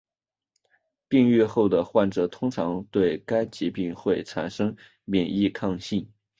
病愈后的患者通常对该疾病会产生免疫抗性。